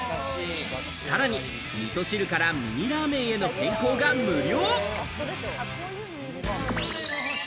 さらに、みそ汁からミニラーメンへの変更が無料。